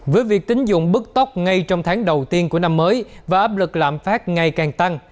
với việc tính dụng bước tốc ngay trong tháng đầu tiên của năm mới và áp lực lạm phát ngày càng tăng